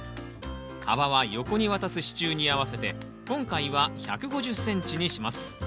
幅は横に渡す支柱に合わせて今回は１５０ｃｍにします。